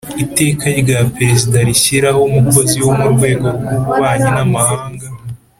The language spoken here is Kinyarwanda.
Iteka rya Perezida rishyiraho umukozi wo mu rwego rw ububanyi n amahanga